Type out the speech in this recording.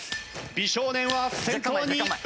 美少年は先頭に浮所君。